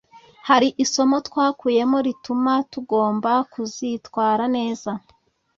hari isomo twakuyemo rituma tugomba kuzitwara neza